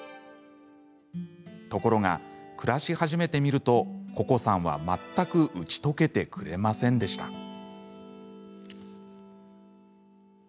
ところが、暮らし始めてみるとここさんは、全く打ち解けてくれませんでした。